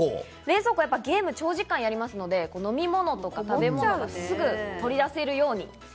ゲームは長時間やりますので、飲み物とか食べ物をすぐ取り出せるように。